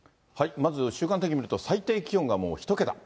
まず週間天気見ると、最低気温がもう１桁。